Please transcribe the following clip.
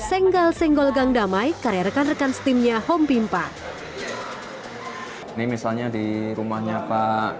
senggal senggol gang damai karya rekan rekan timnya home pimpa ini misalnya di rumahnya pak